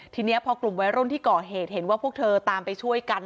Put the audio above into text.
ทีนี้พอกลุ่มวัยรุ่นที่ก่อเหตุเห็นว่าพวกเธอตามไปช่วยกัน